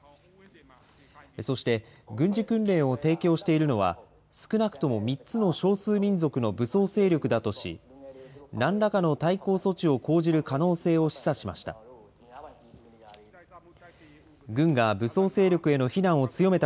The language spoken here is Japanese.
そして、軍事訓練を提供しているのは、少なくとも３つの少数民族の武装勢力だとし、なんらかの対抗措置を講じる可能性を示唆しました。